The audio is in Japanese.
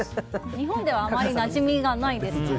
日本ではあまりなじみがないですよね。